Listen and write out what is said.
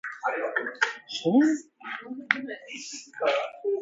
He spent the next two seasons playing for the Marlins class-A affiliates.